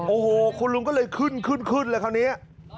โอ้โหคุณลุงก็เลยขึ้นเลยคราวนี้